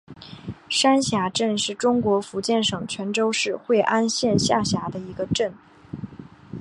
山霞镇是中国福建省泉州市惠安县下辖的一个镇。